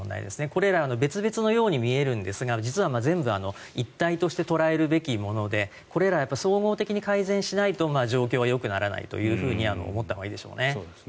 これら別々のように見えるんですが実は全部一体として捉えるべきものでこれら総合的に解決しないと状況的によくならないと思ったほうがいいでしょうね。